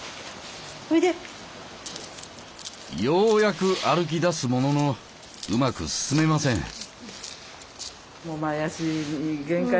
ようやく歩きだすもののうまく進めません。